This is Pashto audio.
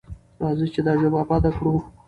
راځئ چې دا ژبه اباده کړو.